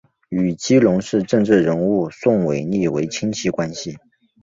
与基隆市政治人物宋玮莉为亲戚关系。